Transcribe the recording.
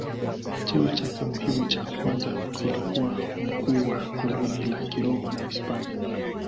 Cheo chake muhimu cha kwanza kilikuwa mkuu wa koloni la Kiroma la Hispania.